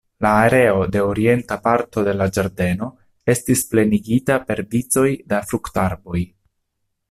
La areo de orienta parto de la ĝardeno estis plenigita per vicoj da fruktarboj.